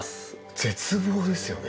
絶望ですよね。